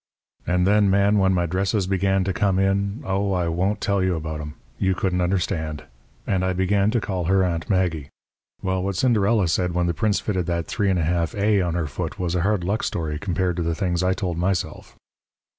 "And then, Man, when my dresses began to come in oh, I won't tell you about 'em! you couldn't understand. And I began to call her Aunt Maggie. You've read about Cinderella, of course. Well, what Cinderella said when the prince fitted that 3½ A on her foot was a hard luck story compared to the things I told myself.